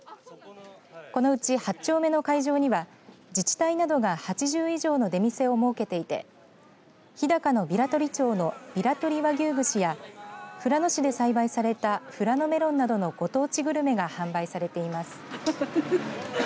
このうち、８丁目の会場には自治体などが８０以上の出店を設けていて日高の平取町のびらとり和牛串や富良野市で栽培された富良野メロンなどのご当地グルメが販売されています。